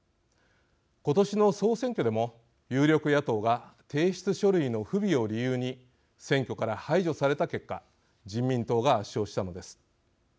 今年の総選挙でも、有力野党が提出書類の不備を理由に選挙から排除された結果人民党が圧勝したのです。